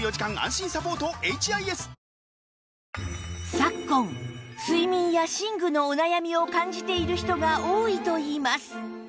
昨今睡眠や寝具のお悩みを感じている人が多いといいます